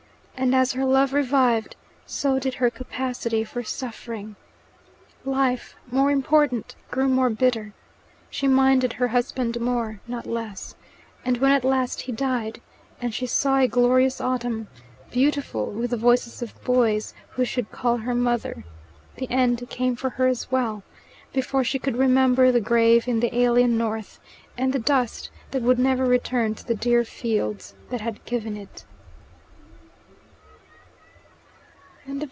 And as her love revived, so did her capacity for suffering. Life, more important, grew more bitter. She minded her husband more, not less; and when at last he died, and she saw a glorious autumn, beautiful with the voices of boys who should call her mother, the end came for her as well, before she could remember the grave in the alien north and the dust that would never return to the dear fields that had given it.